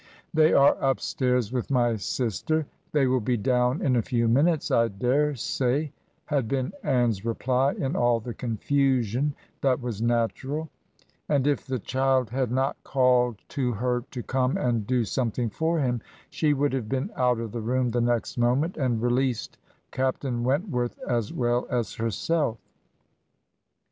'They are up stairs with my sister; they will be down in a few minutes, I dare say,' had been Anne's reply in all the confusion that was natural ; and if the child had not called to her to come and do something for him, she would have been out of the room the next moment, and released Captain Wentworth as well as herself.